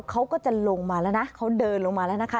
เขาก็จะลงมาแล้วนะเขาเดินลงมาแล้วนะคะ